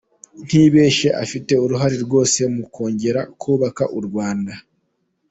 Ntibeshye afite uruhare rwose mu kongera kubaka u Rwanda.